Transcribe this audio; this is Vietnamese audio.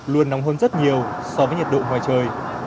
luôn nóng hơn rất nhiều so với nhiệt độ ngoài trời